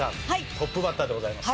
トップバッターでございます。